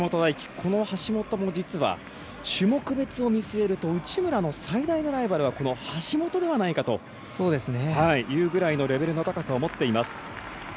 この橋本も実は種目別を見据えると内村の最大のライバルはこの橋本ではないかというぐらいのレベルの高さを持っています。